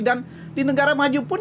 dan di negara maju pun